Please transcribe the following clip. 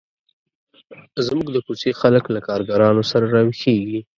زموږ د کوڅې خلک له کارګرانو سره را ویښیږي.